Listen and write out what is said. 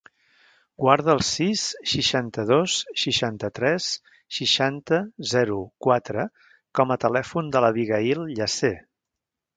Guarda el sis, seixanta-dos, seixanta-tres, seixanta, zero, quatre com a telèfon de l'Abigaïl Llacer.